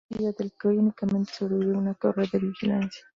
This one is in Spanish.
Poseyó un castillo, del que hoy únicamente sobrevive una torre de vigilancia.